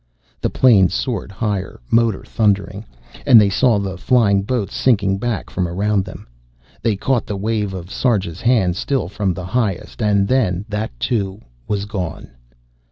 The plane soared higher, motor thundering, and they saw the flying boats sinking back from around them. They caught the wave of Sarja's hand still from the highest, and then that, too, was gone.